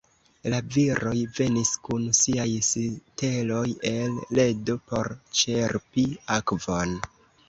La viroj venis kun siaj siteloj el ledo por ĉerpi akvon.